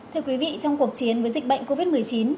thưa quý vị trong cuộc chiến với dịch bệnh covid một mươi chín